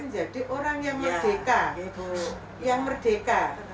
jadi orang yang merdeka